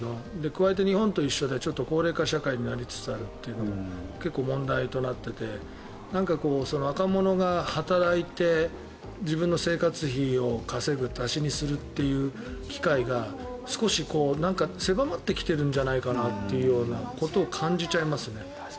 加えて日本と同じで高齢化社会になりつつあるというのが結構、問題となっていて若者が働いて自分の生活費を稼ぐ足しにするという機会が少し狭まってきてるんじゃないかなということを感じちゃいますよね。